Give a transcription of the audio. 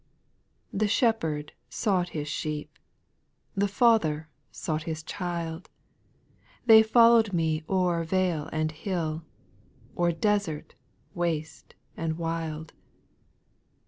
8. The Shepherd sought His sheep, The Father sought His child ;— They followed me o'er vale and hill, O'er desert, waste, and wild.